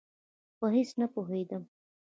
په هېڅ نه پوهېدم.